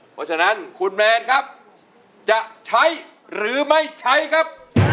เพราะฉะนั้นคุณแมนครับจะใช้หรือไม่ใช้ครับ